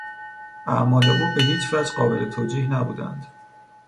اعمال او به هیچوجه قابل توجیه نبودند.